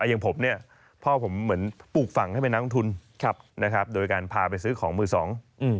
อย่างผมเนี่ยพ่อผมเหมือนปลูกฝั่งให้เป็นนักลงทุนครับนะครับโดยการพาไปซื้อของมือสอง